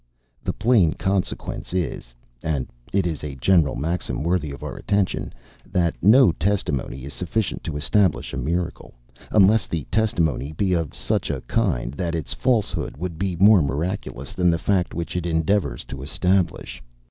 The plain consequence is (and it is a general maxim worthy of our attention,) 'That no testimony is sufficient to establish a miracle, unless the testimony be of such a kind that its falsehood would be more miraculous than the fact which it endeavors to establish.